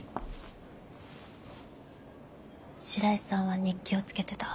白井さんは日記をつけてた。